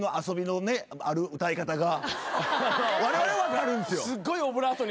われわれ分かるんですよ。